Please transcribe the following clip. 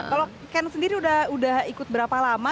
kalau ken sendiri udah ikut berapa lama